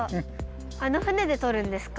あの船でとるんですか？